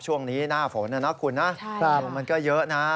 ช่วงนี้หน้าฝนนะคุณนะลมมันก็เยอะนะ